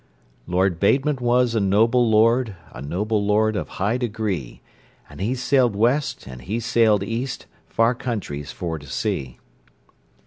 "Lord Bateman was a noble lord, A noble lord of high degree; And he sailed West and he sailed East, Far countries for to see...."